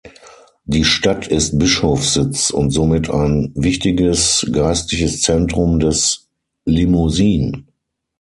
Die Stadt ist Bischofssitz und somit ein wichtiges geistliches Zentrum des Limousin.